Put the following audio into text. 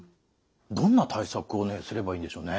どんな対策をすればいいんでしょうね？